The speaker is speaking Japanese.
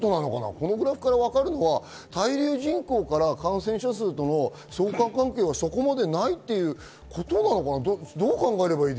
このグラフからわかるのは滞留人口から感染者数との相関関係はそこまでないということなのかな？